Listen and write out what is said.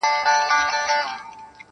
• په ټپوس کي د باز خویونه نه وي -